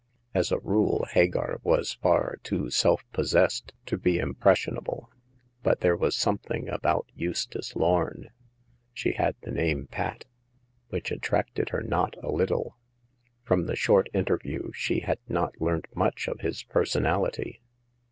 As a rule, Hagar was far too self possessed to be impressionable ; but there was something about Eustace Lorn — she had the name pat — ^which attracted her not a little. From the short interview she had not learnt much of his personality.